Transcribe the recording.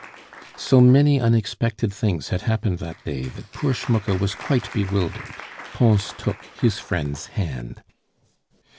So many unexpected things had happened that day that poor Schmucke was quite bewildered. Pons took his friend's hand.